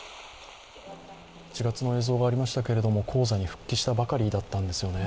１月の映像がありましたけれども高座に復帰したばかりだったんですよね。